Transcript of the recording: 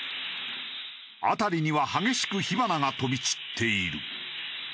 辺りには激しく火花が飛び散っている。